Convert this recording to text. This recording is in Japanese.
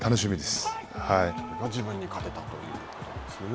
それが自分に勝てたということなんですね。